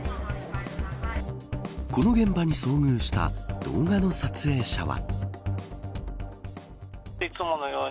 この現場に遭遇した動画の撮影者は。